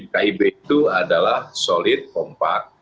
kib itu adalah solid kompak